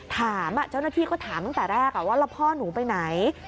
ถามเจ้าหน้าที่ก็ถามตั้งแต่แรกว่าแล้วพ่อหนูไปไหน